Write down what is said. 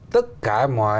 tất cả mọi